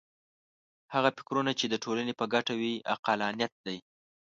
هغه فکرونه چې د ټولنې په ګټه وي عقلانیت دی.